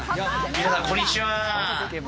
皆さん、こんにちは。